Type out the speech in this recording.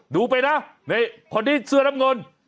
ดูไปนะนี่ขนนี่เสื้อลำงน